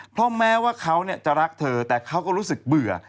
เพราะแม้ว่าเขาจะรักเธอแต่เขาก็รู้สึกเบื่อ